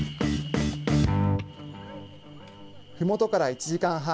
ふもとから１時間半。